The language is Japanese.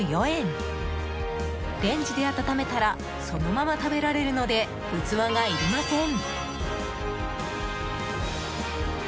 レンジで温めたらそのまま食べられるので器がいりません。